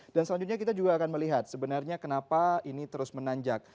selanjutnya kita juga akan melihat sebenarnya kenapa ini terus menanjak